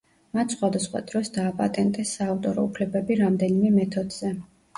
მათ სხვადასხვა დროს დააპატენტეს საავტორო უფლებები რამდენიმე მეთოდზე.